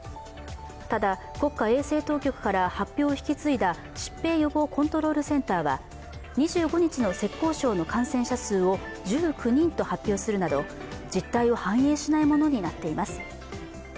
ただ、国家衛生当局から発表を引き継いだ疾病予防コントロールセンターは２５日の浙江省の感染者数を１９人と発表するなど実態を反映しないものになっています。